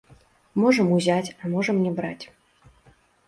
Можам узяць, а можам не браць.